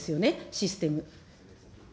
システム。